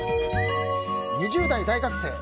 ２０代、大学生。